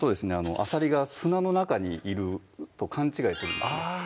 あさりが砂の中にいると勘違いするんですあぁ